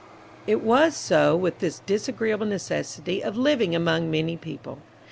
It was so with this disagreeable necessity of living among many people.